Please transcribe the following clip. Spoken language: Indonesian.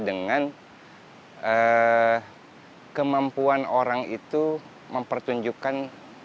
dengan kemampuan orang itu mempertunjukkan